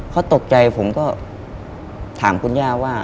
เขาตกใจผมก็ถามคุณย่าว่า